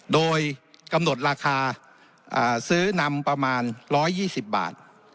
โดยกำหนดราคาซื้อนำประมาณ๑๒๐บาท